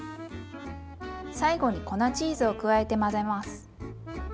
最後に粉チーズを加えて混ぜます。